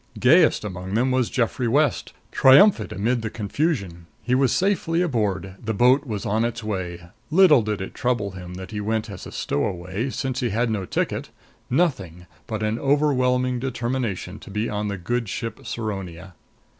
Gayest among them was Geoffrey West, triumphant amid the confusion. He was safely aboard; the boat was on its way! Little did it trouble him that he went as a stowaway, since he had no ticket; nothing but an overwhelming determination to be on the good ship Saronia.